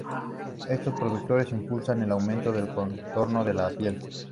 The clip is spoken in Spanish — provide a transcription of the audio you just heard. Estos productos impulsan el aumento del contorno de la piel.